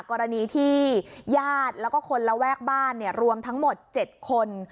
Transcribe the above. กรณีที่ญาติแล้วก็คนระแวกบ้านรวมทั้งหมด๗คน